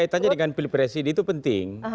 kaitannya dengan pilpres ini itu penting